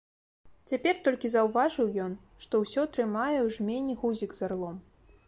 Цяпер толькі заўважыў ён, што ўсё трымае ў жмені гузік з арлом.